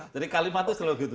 jadi kalimatnya selalu begitu